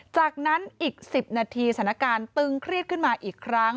จากนั้นอีก๑๐นาทีสถานการณ์ตึงเครียดขึ้นมาอีกครั้ง